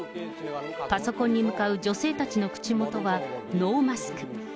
パソコンに向かう女性たちの口元は、ノーマスク。